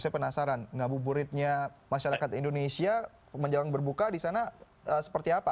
saya penasaran ngabuburitnya masyarakat indonesia menjelang berbuka di sana seperti apa